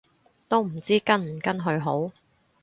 都唔知跟唔跟去好